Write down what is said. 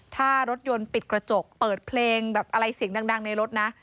ถ้ารถยนต์ปิดกระจกเปิดเพลงแบบอะไรเสียงดังในรถนะ